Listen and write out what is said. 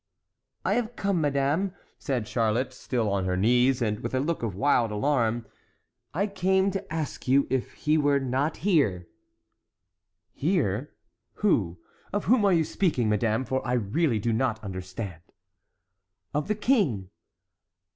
"I have come, madame," said Charlotte, still on her knees, and with a look of wild alarm, "I came to ask you if he were not here?" "Here! who?—of whom are you speaking, madame? for I really do not understand." "Of the king!"